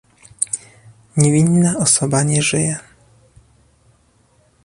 niewinna osoba nie żyje